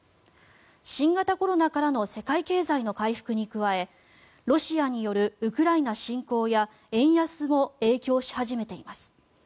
新型コロナからの世界経済の回復に加えロシアによるウクライナ侵攻や円安も影響し始めています。